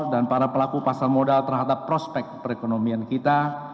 dan para pelaku pasar modal terhadap prospek perekonomian kita